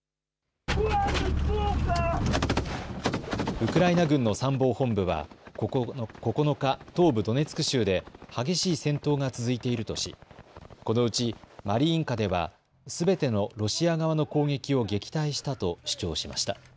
ウクライナ軍の参謀本部は９日、東部ドネツク州で激しい戦闘が続いているとし、このうちマリインカではすべてのロシア側の攻撃を撃退したと主張しました。